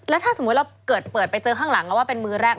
ถ้าสมมุติเราเกิดเปิดไปเจอข้างหลังแล้วว่าเป็นมือแรก